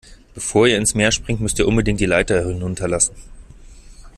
Bevor ihr ins Meer springt, müsst ihr unbedingt die Leiter hinunterlassen.